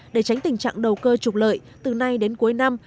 để tránh tình trạng đầu cơ trục lợi từ nay đến cuối năm